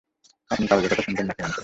আপনি কাগজের কথা শুনবেন নাকি মানুষের কথা?